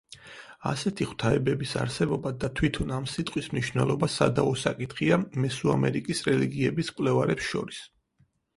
ასეთი ღვთაებების არსებობა და თვითონ ამ სიტყვის მნიშვნელობა სადავო საკითხია მესოამერიკის რელიგიების მკვლევარებს შორის.